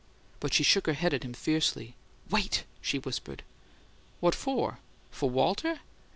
But she shook her head at him fiercely, "Wait!" she whispered. "What for? For Walter?"